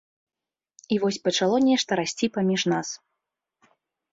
І вось пачало нешта расці паміж нас.